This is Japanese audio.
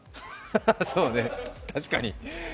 そうね、確かに。